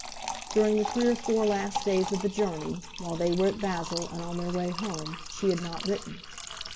During the three or four last days of the journey, while they were at Basle and on their way home, she had not written.